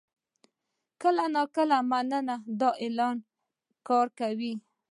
کله ناکله «مننه» د اعلان کار کوي.